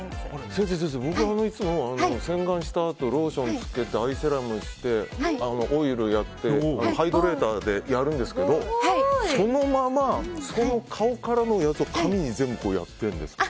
先生、僕はいつも洗顔したあとローションつけてオイルをやってハイドレーターでやるんですけどそのまま、その顔からのやつを髪に全部やってるんです。